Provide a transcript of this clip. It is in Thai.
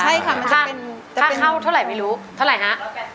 ใช่ค่ะถ้าเข้าเท่าไหร่ไม่รู้เท่าไหร่ฮะ